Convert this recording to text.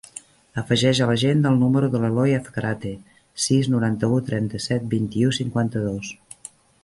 Afegeix a l'agenda el número de l'Eloi Azcarate: sis, noranta-u, trenta-set, vint-i-u, cinquanta-dos.